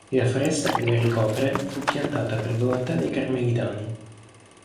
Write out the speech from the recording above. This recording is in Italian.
La foresta che la ricopre fu piantata per volontà dei Carmelitani.